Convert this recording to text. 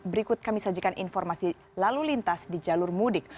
berikut kami sajikan informasi lalu lintas di jalur mudik